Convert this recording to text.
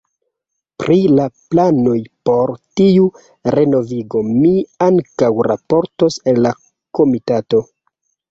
Pri la planoj por tiu renovigo mi ankaŭ raportos al la Komitato.